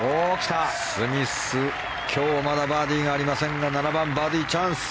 スミス、今日まだバーディーがありませんが７番、バーディーチャンス。